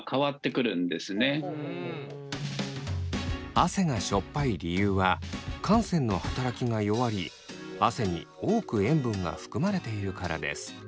汗がしょっぱい理由は汗腺の働きが弱り汗に多く塩分が含まれているからです。